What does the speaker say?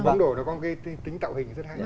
bóng đổ nó có cái tính tạo hình rất hay